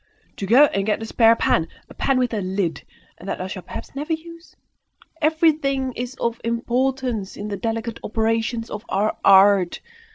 To go and get a spare pan! a pan with a lid! and that I shall perhaps never use! Everything is of importance in the delicate operations of our art!